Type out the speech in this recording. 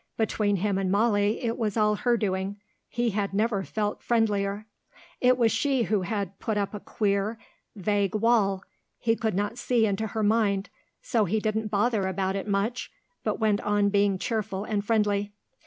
Between him and Molly it was all her doing; he had never felt friendlier; it was she who had put up a queer, vague wall. He could not see into her mind, so he didn't bother about it much but went on being cheerful and friendly.